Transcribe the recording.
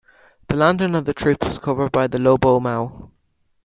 The landing of the troops was covered by the "lobo mau".